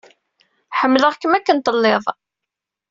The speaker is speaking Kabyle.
Ḥemmleɣ-kem akken i telliḍ.